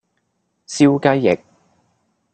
燒雞翼